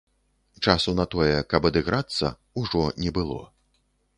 Часу на тое, каб адыграцца, ужо не было.